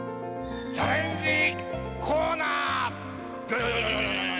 チャレンジコーナー！